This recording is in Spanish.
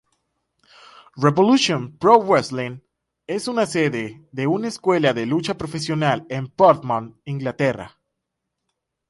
Revolution Pro Wrestling es sede de una escuela de lucha profesional en Portsmouth, Inglaterra.